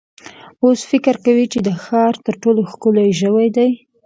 اوښ فکر کوي چې د ښار تر ټولو ښکلی ژوی دی.